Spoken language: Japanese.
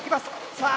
さあ